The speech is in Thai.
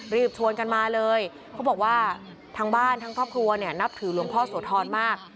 รีบชวนกันมาเลยเขาบอกว่าทั้งบ้านทั้งครอบครัวเนี่ยนับถือหลวงพ่อโสธรมาก